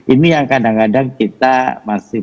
ini yang kadang kadang kita masih